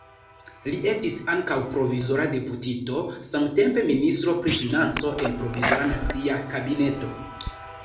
Li estis ankaŭ provizora deputito, samtempe ministro pri financo en Provizora Nacia Kabineto.